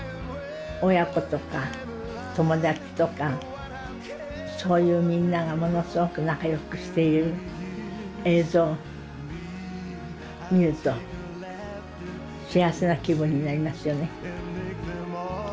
親子とか友達とかそういうみんながものすごく仲よくしている映像を見ると幸せな気分になりますよね。